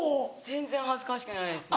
全然恥ずかしくないですね。